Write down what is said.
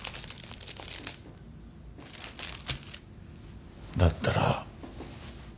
だったら。